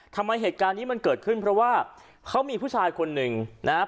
เหตุการณ์นี้มันเกิดขึ้นเพราะว่าเขามีผู้ชายคนหนึ่งนะครับ